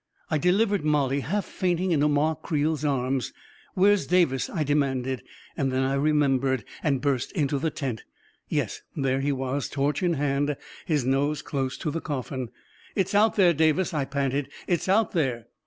. I delivered Mollie, half fainting, into Ma Creel's arms ... "Where's Davis?" I demanded; and then I re membered, and burst into the tent. Yes, there he was, torch in hand, his nose close to the coffin. "It's out there, Davis!" I panted. "It's out there